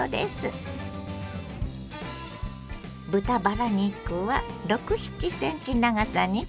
豚バラ肉は６７ｃｍ長さに切ります。